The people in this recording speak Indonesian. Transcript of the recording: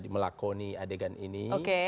melakoni adegan ini